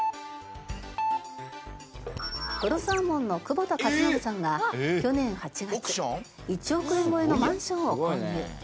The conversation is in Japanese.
とろサーモンの久保田かずのぶさんが去年８月１億円超えのマンションを購入。